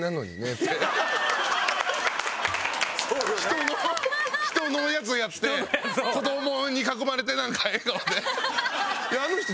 人の人のやつをやって子どもに囲まれてなんか笑顔で。